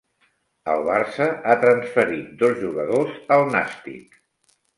El Barça ha transferit dos jugadors al Nàstic.